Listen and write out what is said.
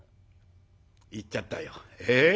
行っちゃったよ。